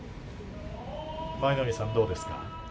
舞の海さん、どうですか。